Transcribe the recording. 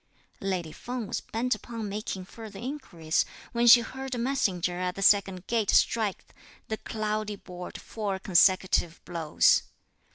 Lady Feng was bent upon making further inquiries, when she heard a messenger at the second gate strike the "cloudy board" four consecutive blows.